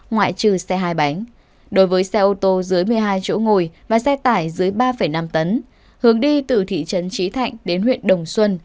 ngoại trừ xe hai bánh đối với xe ô tô dưới một mươi hai chỗ ngồi và xe tải dưới ba năm tấn hướng đi từ thị trấn trí thạnh đến huyện đồng xuân